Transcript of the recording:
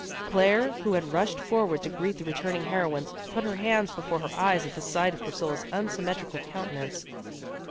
Claire, who had rushed forward to greet the returning heroines, put her hands before her eyes at the sight of Priscilla's unsymmetrical countenance.